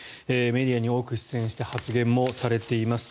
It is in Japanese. メディアに多く出演して発言もされています。